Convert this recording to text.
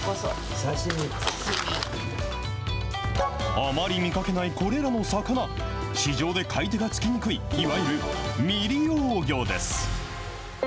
あまり見かけないこれらの魚、市場で買い手がつきにくい、いわゆる未利用魚です。